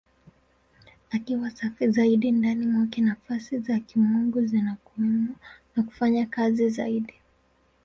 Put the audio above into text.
Akiwa safi zaidi, ndani mwake Nafsi za Kimungu zinakuwemo na kufanya kazi zaidi.